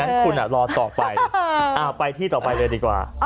งั้นคุณรอต่อไปไปที่ต่อไปเลยดีกว่า